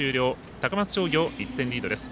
高松商業、１点リードです。